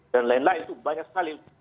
dan lain lain itu banyak sekali